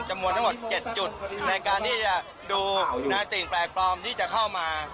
จำนวนทั้งหมด๗จุดในการที่จะดูสิ่งแปลกปลอมที่จะเข้ามา